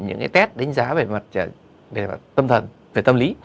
những test đánh giá về tâm thần về tâm lý